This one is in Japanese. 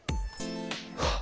あっ！